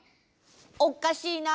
おっかしいなあ？